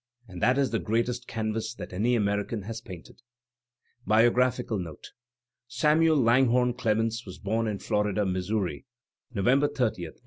And that is the greatest canvas that any American has painted. BIOGRAPmCAIi NOTE Samuel Langhome Clemens was bom in Florida, Missouri, November 30, 1835.